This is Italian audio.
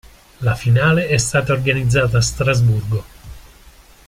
La finale è stata organizzata a Strasburgo.